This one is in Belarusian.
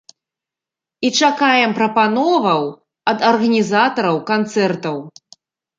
І чакаем прапановаў ад арганізатараў канцэртаў!